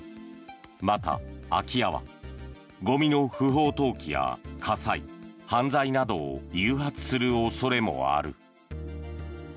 また、空き家はごみの不法投棄や火災犯罪などを誘発する恐れもある。